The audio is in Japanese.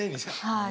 はい。